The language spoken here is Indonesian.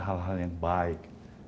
hal hal yang baik